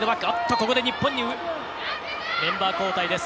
ここで日本、メンバー交代です。